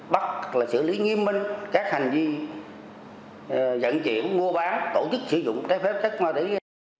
bắt xử lý nghiêm minh các hành vi dẫn chuyển mua bán tổ chức sử dụng trách phép trách ma túy